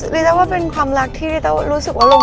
อ๋อรีต้าว่าเป็นความรักที่รีต้ารู้สึกว่าลงตัวมากเลยค่ะ